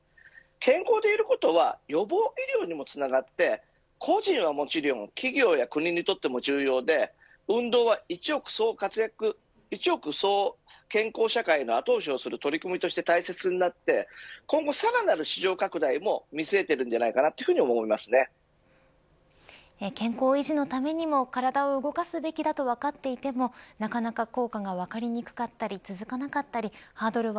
健康でいることは予防医療にもつながって個人はもちろん企業や国にとっても重要で運動は１億総健康社会の後押しをする取り組みとして大切になって今後、さらなる市場拡大も見据えているんじゃないかなと健康維持のためにも体を動かすべきだと分かっていてもなかなか効果が分かりにくかったり続かなかったりハードルは